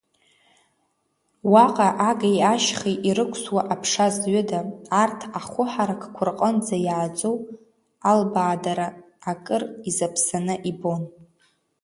Уаҟа агеи ашьхеи ирықәсуа аԥша зҩыда, арҭ ахәыҳаракқәа рҟынӡа иааӡоу, албаадара акыр изаԥсаны ибон.